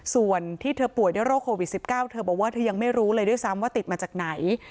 ส่วนที่เธอป่วยด้วยโรคโควิด๑๙เธอบอกว่าเธอยังไม่รู้เลยด้วยซ้ำว่าติดมาจากไหน